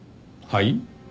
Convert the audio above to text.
はい？